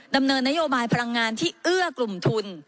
ดำเนินนโยบายพลังงานที่เอื้อกลุ่มทุน